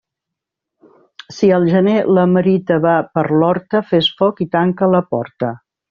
Si al gener la merita va per l'horta, fes foc i tanca la porta.